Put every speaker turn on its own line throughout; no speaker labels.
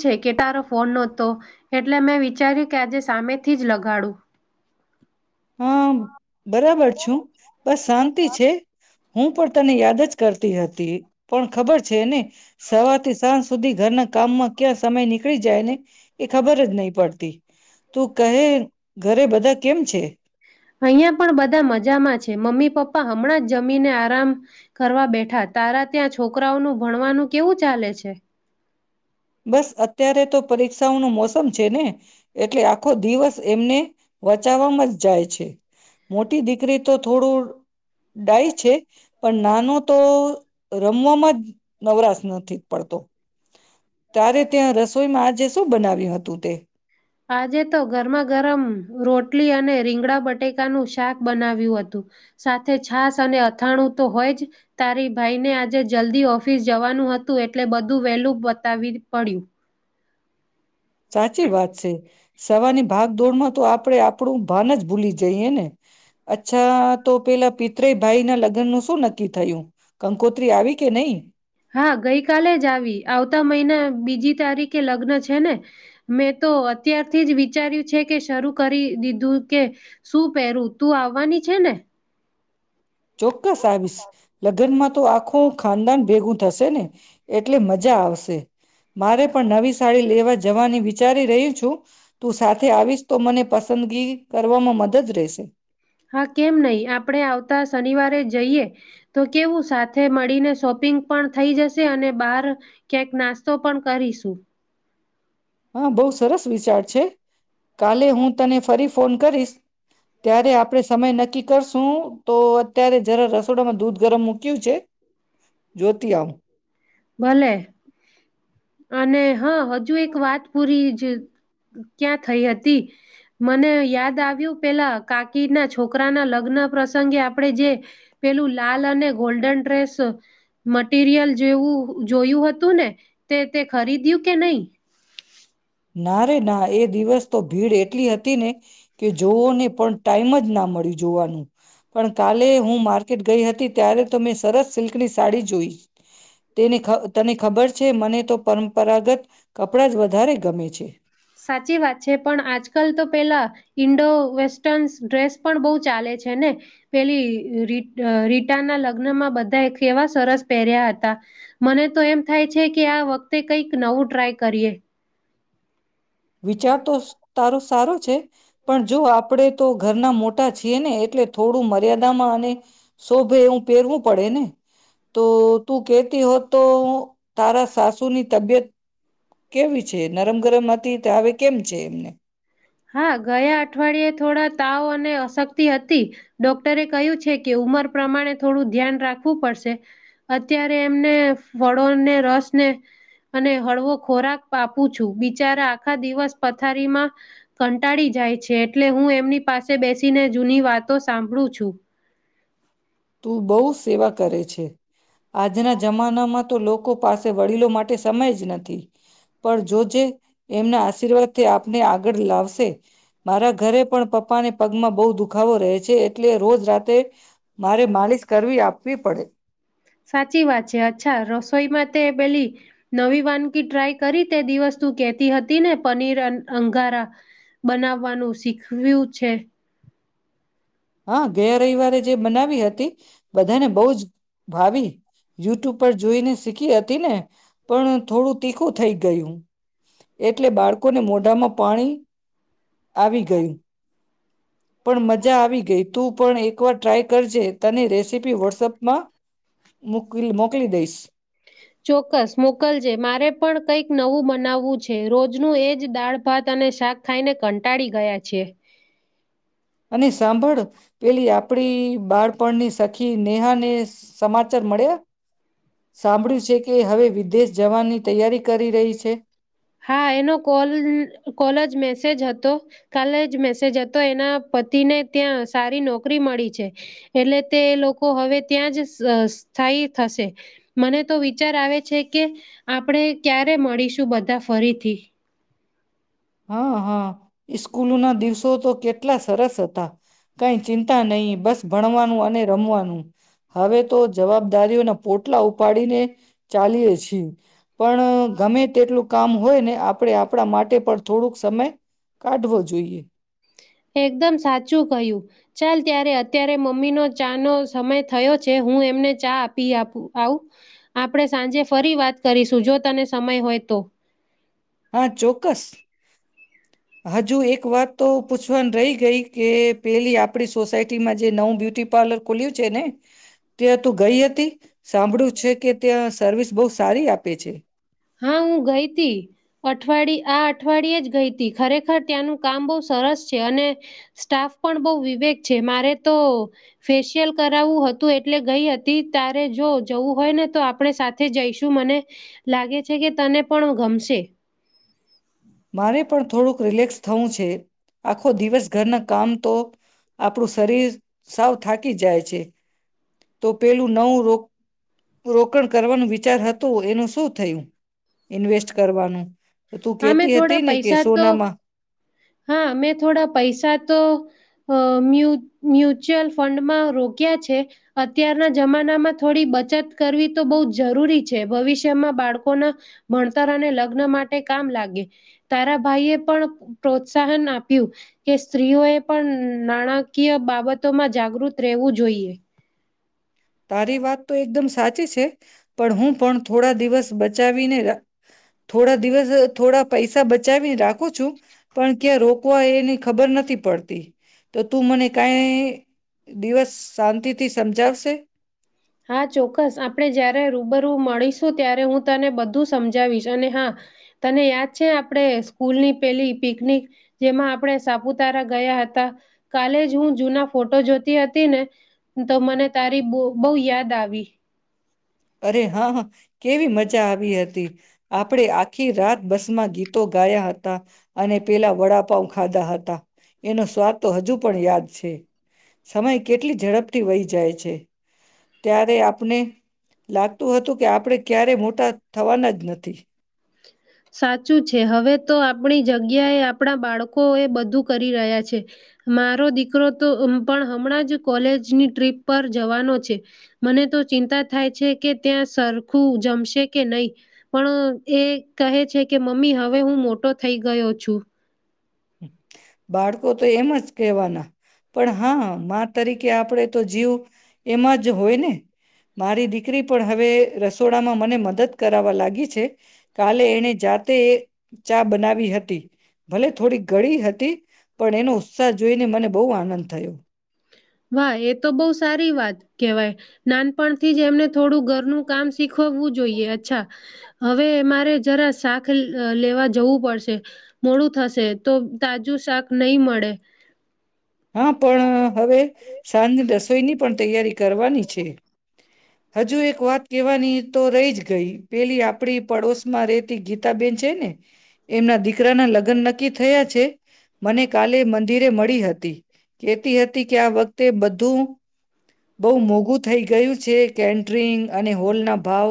છે કે તારો ફોન નોતો એટલે મેં વિચાર્યું કે આજે સામેથી જ લગાડું.
હમ્મ. બરાબર છું. બસ શાંતિ છે. હું પણ તને યાદ જ કર તી હતી પણ ખબર છે ને સવારથી સાંજ સુધી ઘરના કામમાં ક્યા સમય નીકળી જાય ને એ ખબર જ નહીં પડતી. તું કહે ઘરે બધા કેમ છે?
અહીંયા પણ બધા મજામાં છે. મમ્મી પપ્પા હમણાં જ જમીને આરામ કરવા બેઠા. તારા ત્યાં છોકરાઓનું ભણવાનું કેવું ચાલે છે?
બસ અત્યારે તો પરીક્ષાઓ નો મોસમ છે ને એટલે આખો દિવસ એમને વચાવવામાં જ જાય છે. મોટી દીકરી તો થોડું ડાઈ છે પણ નાનો તો રમવામાં જ નવરાશ નથી પડતો. તારે ત્યાં રસોઈમાં આજે શું બનાવ્યું હતું તે?
આજે તો ગરમાં ગરમ રોટલી અને રીંગડા બટેકાનું શાક બનાવ્યું હતું. સાથે છાસ અને અથાણું તો હોય જ તારી ભાઈને આજે જલ્દી ઓફિસ જવાનું હતું એટલે બધું વેલું પતાવી પડ્યું.
સાચી વાત છે. સવારની ભાગદોડમાં તો આપણે આપણું ભાન જ ભૂલી જઈએ ને અચ્છા તો પેલા પિતરાઈ ભાઈ ના લગનનું શું નક્કી થયું? કંકોત્રી આવી કે નહી?
હા ગઈ કાલે જ આવી. આવતા મહિના બીજી તારીખે લગ્ન છે ને મેં તો અત્યારથી જ વિચાર્યું છે કે શરૂ કરી દીધું કે શું પહેરું. તું આવવાની છે ને?
ચોક્કસ આવીશ લગનમાં તો આખું ખાનદાન ભેગું થશે ને. એટલે મજા આવશે. મારે પણ નવી સાડી લેવા જવાની વિચારી રહી છું. તું સાથે આવીશ તો મને પસંદગી કરવામાં મદદ રહેશે.
હા કેમ નહી આપણે આવતા શનિવારે જઈએ તો કેવું સાથે મળીને શોપિંગ પણ થઈ જશે અને બાર ક્યાંક નાસ્તો પણ કરીશું.
હહ બહુ સરસ વિચાર છે. કાલે હું તને ફરી ફોન કરીશ. ત્યારે આપણે સમય નક્કી કરશું તો અત્યારે જરા રસોડામાં દૂધ ગરમ મૂક્યું છે જોતી આવું.
ભલે અને હહ હજુ એક વાત પુરી જે ક્યાં થઈ હતી મને યાદ આવ્યું પેલા કાકી ના છોકરા ના લગ્ન પ્રસંગે આપણેે જે પેલું લાલ અને ગોલ્ડન ડ્રેસ મટીરિયલ જેવું જોયું હતું ને તે તે ખરીદ્યું કે નહી?
ના રે ના એ દિવસ તો ભીડ એટલી હતી ને કે જોવોને પણ ટાઈમ જ ના મળ્યું જોવાનું. પણ કાલે હું માર્કેટ ગઈ હતી. તી ત્યારે તો મેં સરસ સિલ્કની સાડી જોઈ તેને તને ખબર છે મને તો પરંપરાગત કપડાં જ વધારે ગમે છે.
સાચી વાત છે. પણ આજકાલ તો પેલા ઈન્ડોવેસ્ટર્ન ડ્રેસ પણ બહુ ચાલે છે ને. પેલી રીટ રીટાના લગ્નમાં બધાએ કેવા સરસ પહેર્યા હતા. મને તો એમ થાય છે કે આ વખતે કંઈક નવું ટ્રાય કરીએ.
વિચાર તો તારો સારો છે. પણ જો આપણેે તો ઘરના મોટા છીએ ને એટલે થોડું મર્યાદામાં અને શોભે એવું પહેરવું પડે ને તો તું કેતી હોત તો તારા સાસુની તબિયત કેવી છે? નરમ ગરમ હતી તે હવે કેમ છે એમને?
હા ગયા અઠવાડિયે થોડા તાવ અને અશક્તિ હતી. ડોક્ટરે કહ્યું છે કે ઉંમર પ્રમાણે થોડું ધ્યાન રાખવું પડશે. અત્યારે એમને ફળોને રસ ને અને હળવો ખોરાક આપું છું. બિચારા આખા દિવસ પથારીમાં કંટાળી જાય છે. એટલે હું એમની પાસે બેસીને જૂની વાતો સાંભળું છું.
તું બહુ સેવા કરે છે આજના જમાનામાં તો લોકો પાસે વડીલો માટે સમય જ નથી પણ જોજે એમના આશીર્વાદ થી આપને આગળ લાવશે મારા ઘરે પણ પપ્પાને પગમાં બહુ દુખાવો રહે છે એટલે રોજ રાતે મારે માલિશ કરવી આપવી પડે
સાચી વાત છે. અચ્છા રસોઈમાં તે પેલી નવી વાનગી ટ્રાય કરી તે દિવસ તું કેતી હતી ને પનીર અન-અંગારા બનાવવાનું શીખવ્યું છે.
હા ગયા રવિવારે જે બનાવી હતી બધાને બહુ જ ભાવી યુટ્યુબ પર જોઈને શીખી હતીને પણ થોડું તીખું થઈ ગયું એટલે બાળકોને મોઢામાં પાણી આવી ગયું. પણ મજા આવી. ગ તું પણ એકવાર ટ્રાય કરજે તની રેસીપી વોટ્સઅપમાં મોકલી દઈશ.
ચોક્કસ મોકલજે મારે પણ કંઈક નવું બનાવવું છે. રોજનું એજ દાળ ભાત અને શાક ખાઈને કંટાળી ગયા છે.
અને સાંભળ પેલી આપણી બાળપણની સખી નેહાને સમાચાર મળ્યા સાંભળ્યું છે કે હવે વિદેશ જવાની તૈયારી કરી રહી છે?
હા એનો કોલ કોલ જ મેસેજ હતો કલે જ મેસેજ હતો એના પતિને ત્યાં સારી નોકરી મળી છે એટલે તે એ લોકો હવે ત્યાં જ સ્થાય થશે મને તો વિચાર આવે છે કે આપણે ક્યારે મળીશું બધા ફરીથી
હા હા ઈસ્કૂલ ના દિવસો તો કેટલા સરસ હતા કઈ ચિંતા નહીિ બસ ભણવાનું અને રમવાનું હવે તો જવાબદારીઓના પોટલા ઉપાડીને ચાલીય છીએ પણ ગમે તેટલું કામ હોય ને આપણે આપણા માટે પણ થોડોક સમય કાઢવો જોઈએ.
એકદમ સાચું કહ્યું ચાલ ત્યારે અત્યારે મમ્મીનો ચા નો સમય થયો છે હું એમને ચા આપી આપું આવું આપણે સાંજે ફરી વાત કરીશું જો તને સમય હોય તો.
હા ચોક્કસ. હજુ એક વાત તો પૂછવાનું રહી ગઈ કે પેલી આપડી સોસાયટીમાં જે નવું બ્યુટી પાર્લર ખુલ્યું છે ને ત્યાં તું ગઈ હતી સાંભળ્યું છે કે ત્યાં સર્વિસ બહુ સારી આપે છે.
હા હું ગઈ હતી અઠવાડિય આ અઠવાડિયે જ ગઈ હતી ખરેખર ત્યાંનું કામ બહુ સરસ છે અને સ્ટાફ પણ બહુ વિવેક છે મારે તો ફેશિયલ કરાવવું હતું એટલે ગઈ હતી તારે જો જવું હોય ને તો આપણે સાથે જઈશું મને લાગે છે છે કે તને પણ ગમશે.
મારે પણ થોડુંક રિલેક્સ થવું છે. આખો દિવસ ઘરના કામ તો આપણું શરીર સાવ થાકી જાય છે તો પેલું નવું ર રોકાણ કરવાનું વિચાર હતું એનું શું થયું ઇન્વેસ્ટ કરવાનું તું
હા
કેટ
મેં થોડા
હતી ને કે
પૈસા તો
સોનામાં
હા મે થોડા પૈસા તો અ મ્યુ મ્યુચ્યુઅલ ફંડમાં રોક્યા છે અત્યારના જમાનામાં થોડી બચત કરવી તો બહુ જ જરૂરી છે ભવિષ્યમાં બાળકોના ભણતર અને લગ્ન માટે કામ લાગે તારા ભાઈએ પણ પ્રોત્સાહન આપ્યું કે સ્ત્રીઓએ પણ નાણાકીય બાબતોમાં જાગૃત રહેવું જોઈએ.
તારી વાત તો એકદમ સાચી છે પણ હું પણ થોડા દિવસ બચાવીને થોડા દિવસ થોડા પૈસા બચાવીને રાખું છું પણ ક્યાં રોકવા એની ખબર નથી પડતી તો તું મને કઈ દિવસ શાંતિથી સમજાવશે?
હા ચોક્કસ. આપણે જયારે રૂબર રૂ મળીશું ત્યારે હું તને બધું સમજાવીશ, અને હા તને યાદ છે આપણે સ્કૂલની પેલી પિકનિક જેમાં આપણે સાપુતારા ગયા હતા, કાલે જ હું જૂના ફોટો જોતી હતી ને તો મને તારી બોવ બહુ યાદ આવી.
અરે હા, હા. કેવી મજા આવી હતી. આપણેે આખી રાત- બસમાં ગીતો ગાયા હતા, અને પેલા વડાપાઉ ખાધા હતા, એનો સ્વાદ તો હજુ પણ યાદ છે. સમય કેટલી ઝડપથી વહી જાય છે, ત્યારે આપને લાગતું હતું કે આપણે ક્યારેય મોટા થવાના જ નથી.
સાચું છે. હવે તો આપણી જગ્યાએ આપણા બાળકો એ બધું કરી રહ્યા છે. મારો દીકરો તો પણ હમણાં જ કોલેજની ટ્રીપ પર જવાનો છે. મને તો ચિંતા થાય છે કે ત્યાં સરખું જમશે કે નહીં, પણ એ કહે છે કે મમ્મી હવે હું મોટો થઈ ગયો છું.
બાળકો તો એમ જ કહેવાના, પણ હા મા તરીકે આપણે તો જીવ એમાં જ હોય ને. મારી દીકરી પણ હવે રસોડામાં મને મદદ કરાવવા લાગી છે. કાલે એને જાતે ચા બનાવી હતી. ભલે થોડી ગળી હત તી પણ એનો ઉત્સાહ જોઈને મને બહુ આનંદ થયો.
વાહ એ તો બહુ સારી વાત કહેવાય. નાનપણ થી જ એમને થોડું ઘરનું કામ શીખવવું જોઈએ. અચ્છા, હવે મારે જરા શાક લ લેવા જવું પડશે, મોડું થશે તો તાજું શાક નહીં મળે.
હા પણ હવે સાંજની રસોઈની પણ તૈયારી કરવાની છે. હજુ એક વાત કેહેવાની તો રહી જ ગઈ, પેલી આપડી પડોશ માં રેતી ગીતાબેન છે ને એમના દીકરાના લગ્ન નક્કી થયા છે, મને કાલે મંદિરે મળી હતી. કેતી હતી કે્યા આ વખ તે બધું બો મોઘું થઈ ગયું છે, કેન્ટરિંગ અને હોલના ભાવ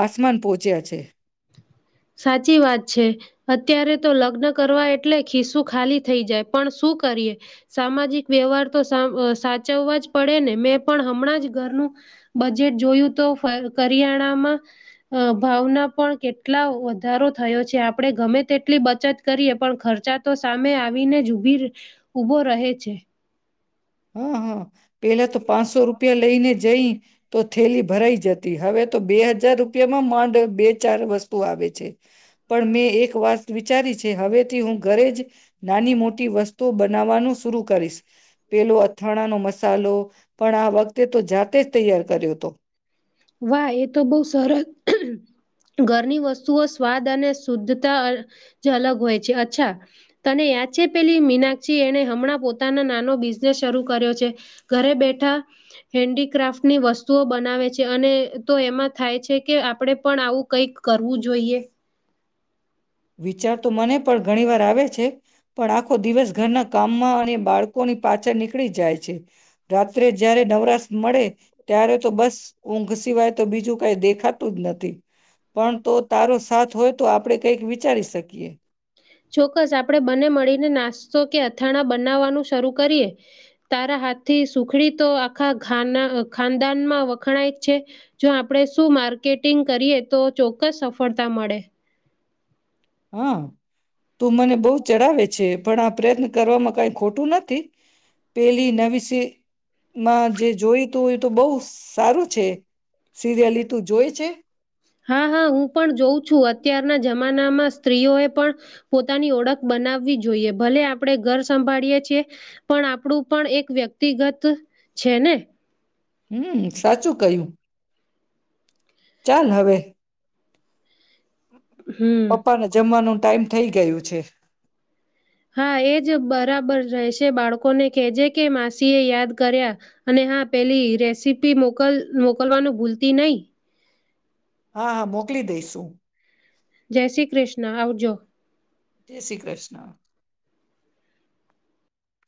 આસમાન પહોંચ્યા છે.
સાચી વાત છે. અત્યારે તો લગ્ન કરવા એટલે ખિસ્સુ ખાલી થઈ જાય, પણ શું કરીએ સામાજિક વ્યવહાર તો સામ સાચવવા જ પડેને, મેં પણ હમણાંજ ઘરનું બજેટ જોયું તો કરિયાણામાં અહ ભાવના પણ કેટલા વધારો થયો છે. આપડે ગમે તેટલી બચત કરીએ પણ ખર્ચા તો સામે આવીનેજ ઉભી ઉભો રહે છે.
હમ્મ, હમ્મ. પેલા તો પાંચસો રૂપિયા લઈને જઈ, તો થેલી ભરાઈ જતી. હવે તો બે હજાર રૂપિયામાં માંડ બે ચાર વસ્તુ આવે છે, પણ મેં એક વાત વિચારી છે, હવેથી હું ઘરેજ નાની મોટી વસ્તુ બનાવવાનું શુંરુ કરીશ. પેલો અથાણાનો મસાલો, પણ આ વખતે તો જાતે જ તૈયાર કર્યો હતો.
વાહ, એતો બો સરસ. ઘરની વસ્તુઓ સ્વાદ અને શુદ્ધતાજ અલગ હોય છે. અચ્છા, તને યાદ છે પેલી મીનાક્ષી એને હમણાં પોતાનો નાનો બિઝનેસ શરૂ કર્યો છે. ઘરે બેઠા હેન્ડીક્રાફ્ટની વસ્તુઓ બનાવે છે. અને તો એમાં થાય છે કે આપડે પણ આવું કઈક કરવું જોઈએ.
વિચાર તો મને પણ ઘણી વાર આવે છે, પણ આખો દિવસ ઘરના કામમાં અને બાળકોની પાછળ નીકળી જાય છે. રાત્રે જયારે નવરાશ મળે ત્યારે તો બસ ઊંઘ સિવાય તો બીજું કઈ દેખાતું જ નથી. પણ તો તારો સાથ હોય તો આપડે કઈક વી વિચારી શકીએ.
ચોક્કસ આપડે બને મળીને નાસ્તો કે અથાણા બનાવવાનું શરૂ કરીએ. તારા હાથથી સુખડી તો આખા ખાના ખાનદાનમાં વખણાયજ છે. જો આપણે શું માર્કેટિંગ કરીએ તો ચો ક્કસ સફળતા મળે.
હા, તું મને બો ચડાવે છે, પણ આ પ્રયત્ન કરવામાં કઈ ખોટું નથી, પેલી નવીસી માં જે જોઈ તો એ તો બહું સારું છે. સિરિયલી તું જોએ છે?
હા, હા હું હું પણ જોઉં છું. અત્યારના જમાનામાં સ્ત્રીઓએ પણ પોતાની ઓળખ બનાવવી જોઈએ. ભલે આપણે ઘર સંભાળીએ છીએ, પણ આપણું પણ એક વ્યક્તિગત છે ને.
હમ્મ, સાચું કહ્યું. ચાલ હવે.
હમ
પપ્પા ને જમવાનું ટાઈમ થઈ ગયું છે.
હા એજ બરાબર રહેશે. બાળકોને કેજે કે માસી એ યાદ કર્યા, અને હા પેલી રેસીપી મોકલ મોકલવાનું ભૂલતી નહીં.
હા, હા મોકલી દઈશ હું.
જય શ્રી કૃષ્ણ, આવજો.
જય શ્રી કૃષ્ણ.